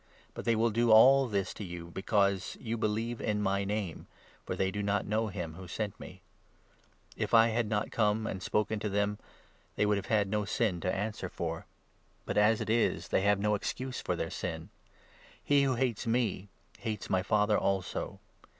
But they will do all this to you, because you believe in my 21 Name, for they do not know him who sent me. If I 22 had not come and spoken to them, they would have had no sin to answer for ; but as it is, they have no excuse for their sin. He who hates me hates my Father also.